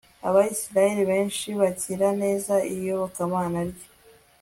abayisraheli benshi bakira neza iyobokamana rye